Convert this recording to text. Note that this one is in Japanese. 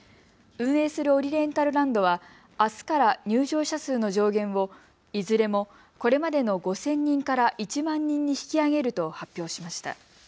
運営するオリエンタルランドはあすから入場者数の上限をいずれもこれまでの５０００人から１万人に引き上げると発表しました。